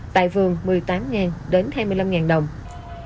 tại vườn một mươi tám ngàn đến ba mươi ngàn đồng một ký